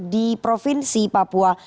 di provinsi papua